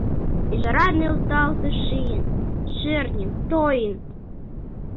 Ӱжара нӧлталте шийын, шӧртньын, тойын.